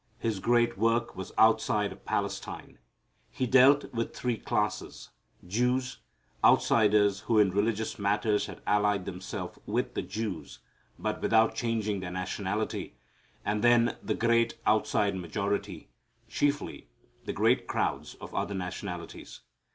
His great work was outside of Palestine. He dealt with three classes, Jews, outsiders who in religious matters had allied themselves with the Jews, but without changing their nationality, and then the great outside majority, chiefly the great crowds of other nationalities.